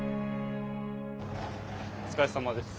お疲れさまです。